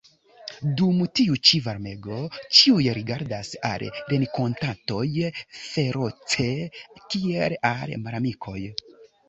Dum tiu ĉi varmego ĉiuj rigardas al renkontatoj feroce, kiel al malamikoj.